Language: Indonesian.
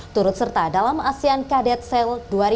turut serta dalam asean cadet sail dua ribu enam belas